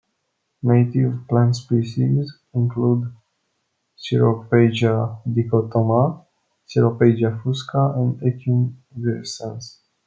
Native plant species include "Ceropegia dichotoma", "Ceropegia fusca" and "Echium virescens".